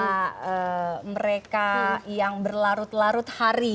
karena mereka yang berlarut larut hari